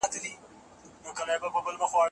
دا قوانین یوازې د یو کس لپاره نه دي.